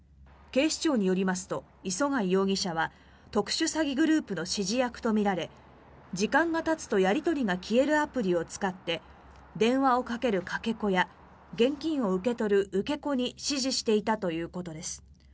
警視庁によりますと磯貝容疑者は特殊詐欺グループの指示役とみられ時間がたつとやり取りが消えるアプリを使って電話をかけるかけ子や現金を受け取る受け子に指示していたということです。